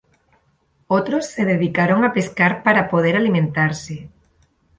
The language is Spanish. Otros se dedicaron a pescar para poder alimentarse.